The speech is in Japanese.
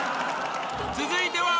［続いては］